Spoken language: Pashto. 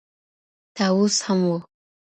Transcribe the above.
طاووس هم وو